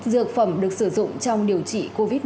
dược phẩm được sử dụng trong điều trị covid một mươi chín